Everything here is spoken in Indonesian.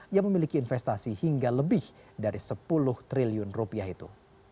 yang memiliki investasi hingga lebih dari sepuluh triliun rupiah itu